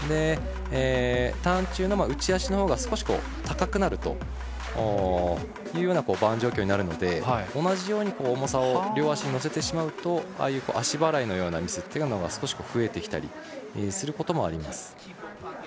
ターン中の内足のほうが少し高くなるというようなバーン状況になるので同じように重さを両足に乗せると足払いのようなミスが少し増えることもあります。